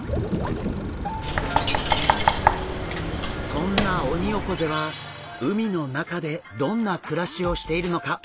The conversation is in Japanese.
そんなオニオコゼは海の中でどんな暮らしをしているのか？